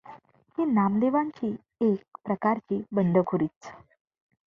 ही नामदेवांची एक प्रकारची बंडखोरीच.